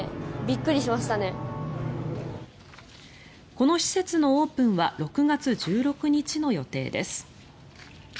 この施設のオープンは６月１６日の予定です。